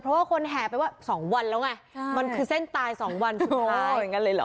แผลไปว่า๒วันแล้วไงมันคือเส้นตาย๒วันสุดท้าย